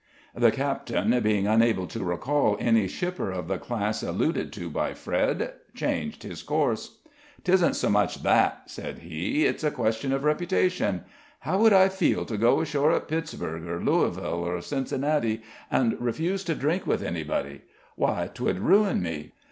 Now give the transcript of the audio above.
The captain, being unable to recall any shipper of the class alluded to by Fred, changed his course. "'Tisn't so much that," said he; "it's a question of reputation. How would I feel to go ashore at Pittsburgh or Louisville or Cincinnati, and refuse to drink with anybody? Why, 'twould ruin me.